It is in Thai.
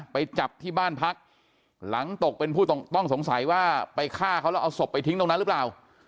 ไปจับที่บ้านพักหลังตกเป็นผู้ต้องสงสัยว่าไปฆ่าเขาแล้วเอาศพไปทิ้งตรงนั้นหรือเปล่า